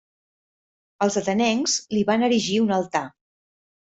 Els atenencs li van erigir un altar.